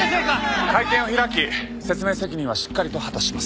会見を開き説明責任はしっかりと果たします。